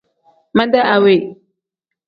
Mede awe.